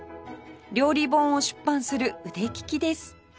料理本を出版する腕利きです